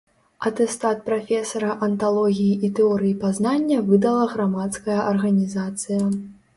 Атэстат прафесара анталогіі і тэорыі пазнання выдала грамадская арганізацыя.